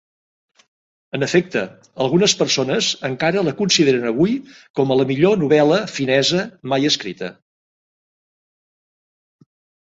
En efecte, algunes persones encara la consideren avui com a la millor novel·la finesa mai escrita.